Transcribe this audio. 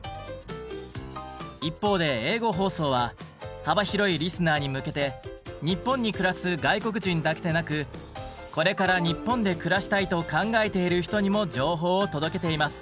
一方で英語放送は幅広いリスナーに向けて日本に暮らす外国人だけでなく「これから日本で暮らしたいと考えている人」にも情報を届けています。